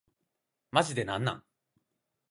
マジでなんなん